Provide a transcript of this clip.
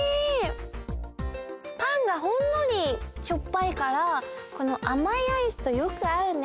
パンがほんのりしょっぱいからこのあまいアイスとよくあうね！